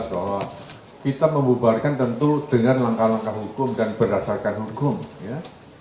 ini sudah jelas doang kita memubarkan tentu dengan langkah langkah hukum dan berdasarkan hukum ya